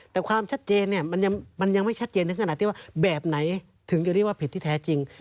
แต่ความชัดเจนเนี่ยมันยังไม่ชัดเจนถึงขนาดที่ว่าแบบไหนถึงจะเรียกว่าผิดที่แท้จริง